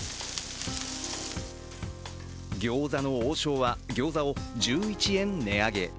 餃子の王将は、餃子を１１円値上げ。